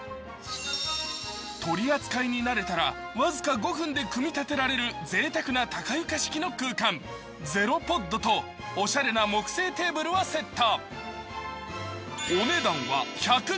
取り扱いに慣れたら僅か５分で組み立てられるぜいたくな高床式の空間ゼロポッドとおしゃれな木製テーブルをセット。